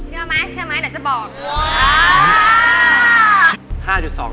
เชื่อมั้ยเชื่อมั้ยไหนจะบอก